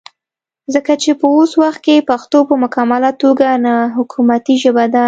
ځکه چې وس وخت کې پښتو پۀ مکمله توګه نه حکومتي ژبه ده